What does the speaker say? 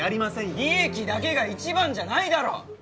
利益だけが一番じゃないだろ！